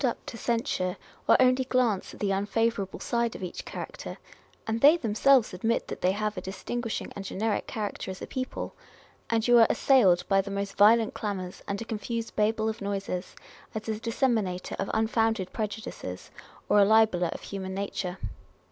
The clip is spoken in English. up to censure, or only glance at the unfavourable side of each character (and they themselves admit that they have a distinguishing and generic character as a people), and you are assailed by the most violent clamours, and a confused Babel of noises, as a disseminator of unfounded prejudices, or a libeller of human nature.